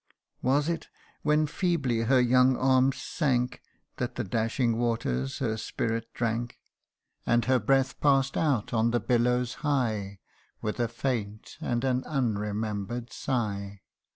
Was it, when feebly her young arms sank, That the dashing waters her spirit drank, And her breath pass'd out on the billows high With a faint and an unremember'd sigh